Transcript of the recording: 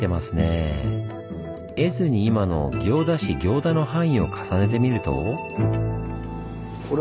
絵図に今の行田市行田の範囲を重ねてみると。